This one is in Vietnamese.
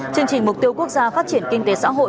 chương trình mục tiêu quốc gia phát triển kinh tế xã hội